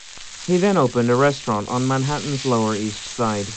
He then opened a restaurant on Manhattan's Lower East Side.